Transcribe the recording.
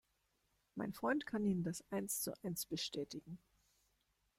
Mein Freund kann Ihnen das eins zu eins bestätigen.